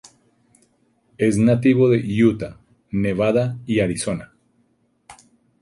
Es nativo de Utah, Nevada y Arizona.